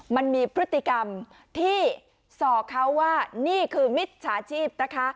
มันมีพฤติกรรมที่สอกเขาว่านี่คือมิจฉาชีพนะคะ